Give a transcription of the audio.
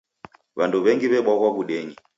W'andu w'engi w'ebwaghwa w'udenyi.